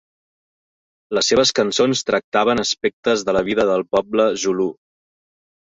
Les seves cançons tractaven aspectes de la vida de poble zulú.